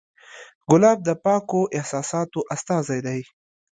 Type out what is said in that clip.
ګلاب د پاکو احساساتو استازی دی.